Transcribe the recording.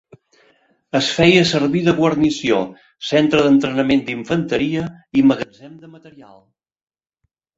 Es feia servir de guarnició, centre d'entrenament d'infanteria i magatzem de material.